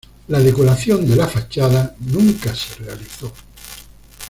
La decoración de la fachada nunca se realizó.